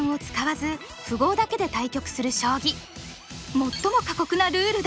最も過酷なルールだ。